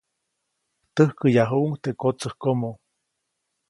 Täjkäyajuʼuŋ teʼ kotsäjkomo.